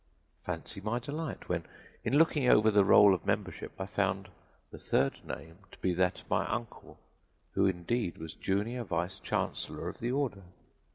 Fancy my delight when, in looking over the roll of membership, I found the third name to be that of my uncle, who indeed was junior vice chancellor of the order!